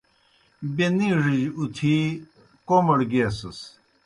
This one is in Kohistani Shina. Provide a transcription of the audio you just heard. بیْہ نِیڙِجیْ اُتِھی کوْمَڑ گیسَس۔